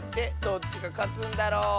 どっちがかつんだろ？